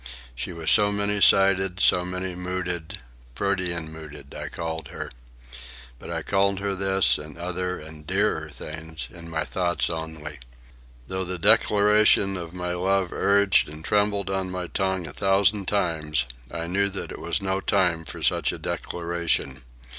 She was so many sided, so many mooded—"protean mooded" I called her. But I called her this, and other and dearer things, in my thoughts only. Though the declaration of my love urged and trembled on my tongue a thousand times, I knew that it was no time for such a declaration.